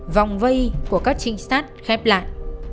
vòng vây của các trinh sát khép lại